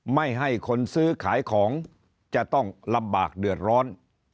ไม่ให้คนซื้อขายของจะต้องลำบากเดือดร้อน